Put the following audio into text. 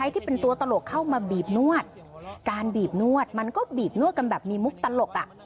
ที่เป็นตัวตลกเข้ามาบีบนวดการบีบนวดมันก็บีบนวดกันแบบมีมุกตลก